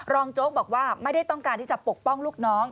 โจ๊กบอกว่าไม่ได้ต้องการที่จะปกป้องลูกน้อง